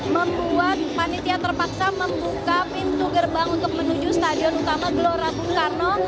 membuat panitia terpaksa membuka pintu gerbang untuk menuju stadion utama gelora bung karno